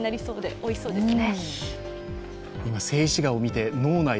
おいしそう、いいですね。